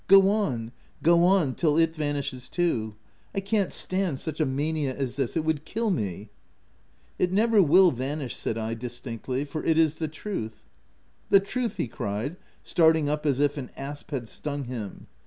Go on — go on, till it vanishes too. I can't stand such a mania as this; it would kill me !"" It never will vanish/' said I distinctly, * for it is the truth." " The truth !" he cried, starting as if an asp had stung him.